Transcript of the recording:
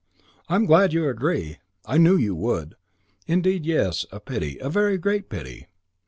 "I'm glad you agree. I knew you would. Indeed, yes, a pity; a very great pity.